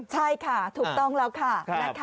ใช่ค่ะถูกต้องแล้วค่ะ